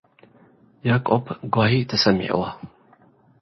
ያዕቆብ ጋሂ ተሰሚዕዎ።